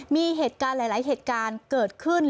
มีเหตุการณ์หลายเหตุการณ์เกิดขึ้น